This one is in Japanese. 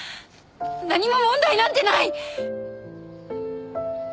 何も問題なんてない！